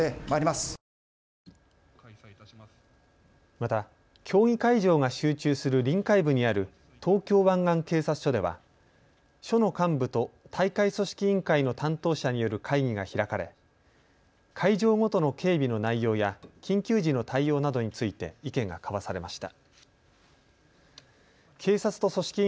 また、競技会場が集中する臨海部にある東京湾岸警察署では署の幹部と大会組織委員会の担当者による会議が開かれ会場ごとの警備の内容や緊急時の対応などについて意見が交わされました。